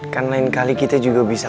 kan lain kali kita juga bisa